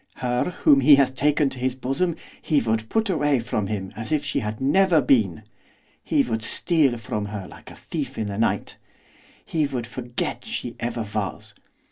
Her whom he has taken to his bosom he would put away from him as if she had never been, he would steal from her like a thief in the night, he would forget she ever was!